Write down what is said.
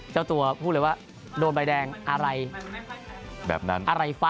เจ้าตัวพูดเลยว่าโดนใบแดงอะไรแบบนั้นอะไรฟะ